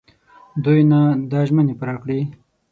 دوی نه دا ژمني پوره کړي.